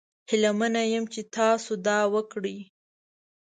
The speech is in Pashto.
هیله من یم چې تاسو دا وکړي.